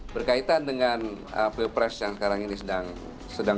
berkaitan dengan pilpres yang sekarang ini sedang